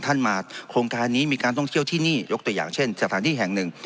ท่านมาโครงการนี้มีการท่องเที่ยวที่นี่ยกตัวอย่างเช่นสถานที่แห่งหนึ่ง